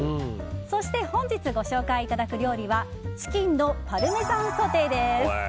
そして、本日ご紹介いただく料理はチキンのパルメザンソテーです。